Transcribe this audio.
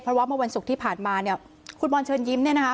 เพราะว่าเมื่อวันศุกร์ที่ผ่านมาเนี่ยคุณบอลเชิญยิ้มเนี่ยนะคะ